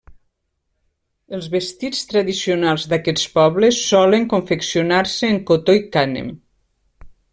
Els vestits tradicionals d'aquests pobles solen confeccionar-se en cotó i cànem.